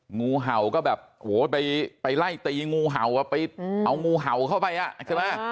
งูเห่าก็แบบโหไปไล่ตีงูเห่าไปเอางูเห่าเข้าไปอ่ะใช่ไหม